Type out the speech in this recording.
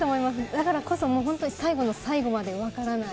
だからこそ、本当に最後の最後まで分からない。